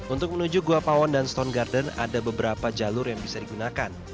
untuk menuju gua pawon dan stone garden ada beberapa jalur yang bisa digunakan